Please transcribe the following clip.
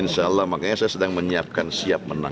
insya allah makanya saya sedang menyiapkan siap menang